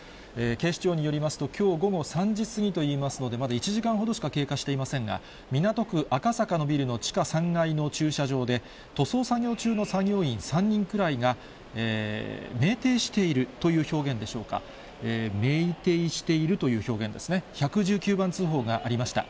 警視庁によりますと、きょう午後３時過ぎといいますので、まだ１時間ほどしか経過していませんが、港区赤坂のビルの地下３階の駐車場で、塗装作業中の作業員３人くらいが、めいていしているという表現でしょうか、めいていしているという表現ですね、１１９番通報がありました。